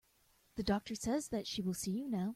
The doctor says that she will see you now.